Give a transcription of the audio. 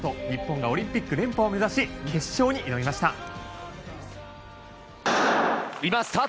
日本がオリンピック連覇を目指し決勝に挑みました。